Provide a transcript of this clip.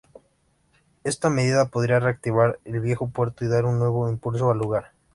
Esta medida podría reactivar el viejo puerto y dar un nuevo impulso al lugar.